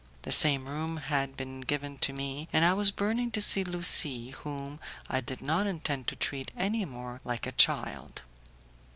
The same room had been given to me, and I was burning to see Lucie, whom I did not intend to treat any more like a child.